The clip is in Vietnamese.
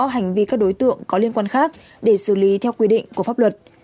hành vi các đối tượng có liên quan khác để xử lý theo quy định của pháp luật